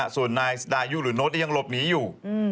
ส่วนนายสดายุหรือโน้ตยังหลบหนีอยู่